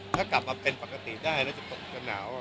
ถ้ากลับมาเป็นปกติได้เลยจะเตรียมหนาว